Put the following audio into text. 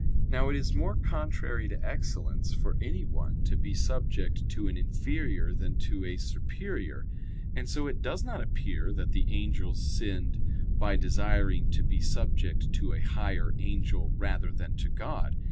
Now it is more contrary to excellence for anyone to be subject to an inferior than to a superior; and so it does not appear that the angels sinned by desiring to be subject to a higher angel rather than to God.